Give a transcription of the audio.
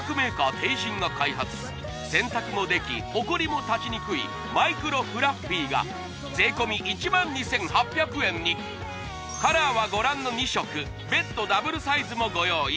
テイジンが開発洗濯もできホコリも立ちにくいマイクロフラッフィーが税込１万２８００円にカラーはご覧の２色別途ダブルサイズもご用意